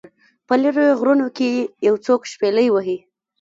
په لیرو غرونو کې یو څوک شپیلۍ وهي